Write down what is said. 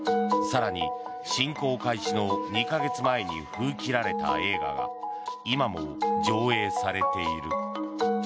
更に、侵攻開始の２か月前に封切られた映画が今も上映されている。